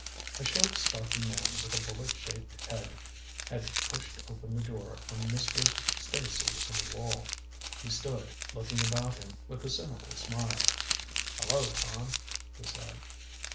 A short stocky man with a bullet shaped head had pushed open the door on Messrs. Stacy and Wall. He stood, looking about him with a cynical smile. "Hello, Tom," he said.